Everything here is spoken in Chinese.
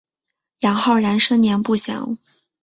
杨浩然生年不详。